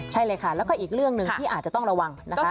ใช่เลยค่ะแล้วก็อีกเรื่องหนึ่งที่อาจจะต้องระวังนะคะ